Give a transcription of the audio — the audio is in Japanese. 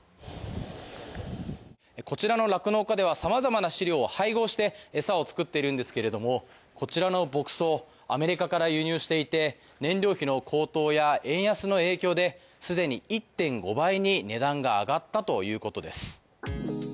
こちらの酪農家ではさまざまな飼料を配合して餌を作っているんですけれどもこちらの牧草アメリカから輸入していて燃料費の高騰や円安の影響ですでに１．５倍に値段が上がったということです。